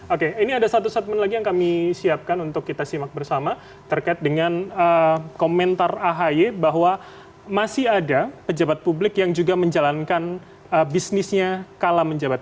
oke ini ada satu statement lagi yang kami siapkan untuk kita simak bersama terkait dengan komentar ahy bahwa masih ada pejabat publik yang juga menjalankan bisnisnya kala menjabat